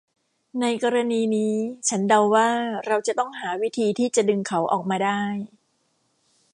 ในกรณีนี้ฉันเดาว่าเราจะต้องหาวิธีที่จะดึงเขาออกมาได้